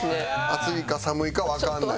暑いか寒いかわかんない。